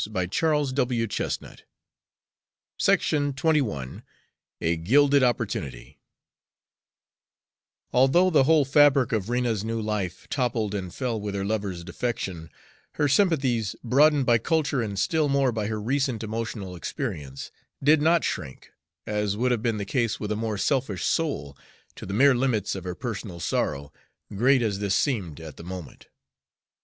His stubborn heart simply would not let go. XXI A GILDED OPPORTUNITY Although the whole fabric of Rena's new life toppled and fell with her lover's defection, her sympathies, broadened by culture and still more by her recent emotional experience, did not shrink, as would have been the case with a more selfish soul, to the mere limits of her personal sorrow, great as this seemed at the moment.